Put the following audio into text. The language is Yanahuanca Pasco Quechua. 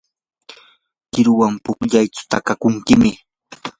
qiruwan pukllaychu takakunkim.